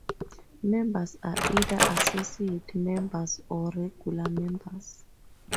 Members are either associate members or regular members.